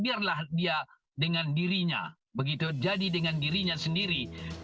biarlah dia dengan dirinya begitu jadi dengan dirinya sendiri